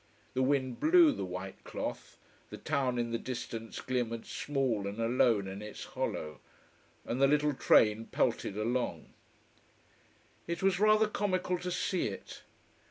The wind blew the white cloth, the town in the distance glimmered small and alone in its hollow. And the little train pelted along. It was rather comical to see it.